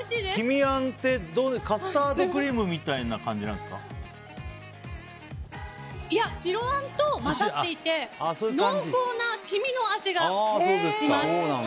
黄身あんってカスタードクリームみたいないや、白あんと混ざっていて濃厚な黄身の味がします。